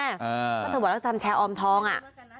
อ่าก็เธอบอกแล้วจะทำแชร์ออมทองอ่ะอ่า